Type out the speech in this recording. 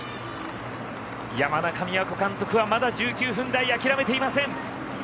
山中美和子監督はまだ１９分台諦めていません。